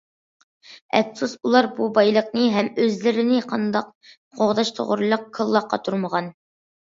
ئەپسۇس، ئۇلار بۇ بايلىقنى ھەم ئۆزلىرىنى قانداق قوغداش توغرىلىق كاللا قاتۇرمىغان.